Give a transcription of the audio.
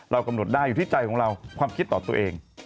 กำหนดได้อยู่ที่ใจของเราความคิดต่อตัวเอง